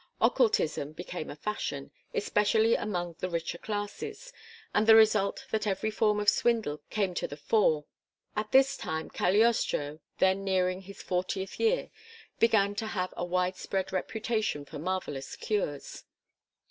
Occultism became a fashion, especially amongst the richer classes, with the result that every form of swindle came to the fore. At this time Cagliostro, then nearing his fortieth year, began to have a widespread reputation for marvellous cures.